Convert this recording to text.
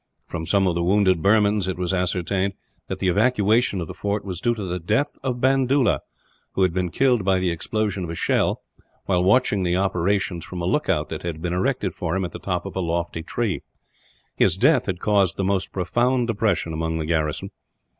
From some of the wounded Burmans, it was ascertained that the evacuation of the fort was due to the death of Bandoola; who had been killed, by the explosion of a shell, while watching the operations from a lookout that had been erected for him, at the top of a lofty tree. His death had caused the most profound depression among the garrison.